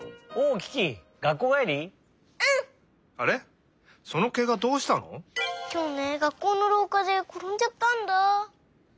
きょうね学校のろうかでころんじゃったんだ。